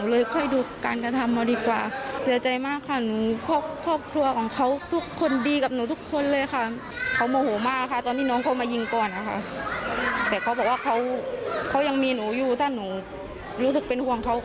เพราะว่าถ้าเขาทำเขาก็จะไม่ได้อยู่กับเรา